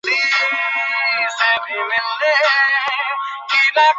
পাশাপাশি এগুলো কখনও আদালতে প্রমাণিত হয়নি।